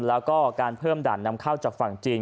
แล้วก็การเพิ่มด่านนำเข้าจากฝั่งจีน